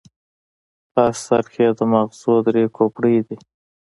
په هر سر کې یې د ماغزو درې کوپړۍ دي.